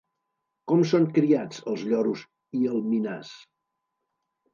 Com són criats els lloros i el minàs?